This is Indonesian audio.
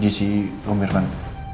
jasi om irfan